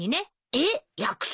えっ約束？